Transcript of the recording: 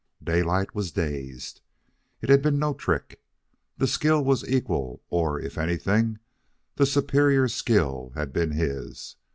Daylight was dazed. It had been no trick. The skill was equal, or, if anything, the superior skill had been his.